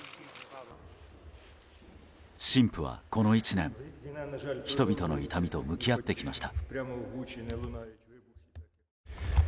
神父はこの１年、人々の痛みと向き合ってきました。